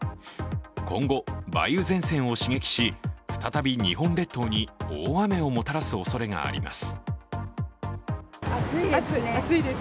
今後、梅雨前線を刺激し、再び日本列島に大雨をもたらすおそれがあります。